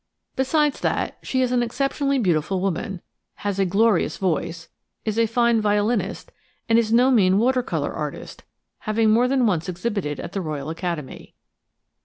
Besides that, she is an exceptionally beautiful woman, has a glorious voice, is a fine violinist, and is no mean water colour artist, having more than once exhibited at the Royal Academy.